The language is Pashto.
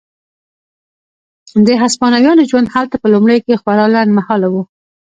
د هسپانویانو ژوند هلته په لومړیو کې خورا لنډ مهاله و.